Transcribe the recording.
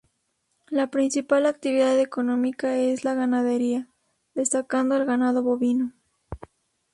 La principal actividad económica es la ganadería, destacando el ganado bovino.